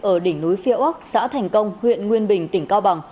ở đỉnh núi phía ốc xã thành công huyện nguyên bình tỉnh cao bằng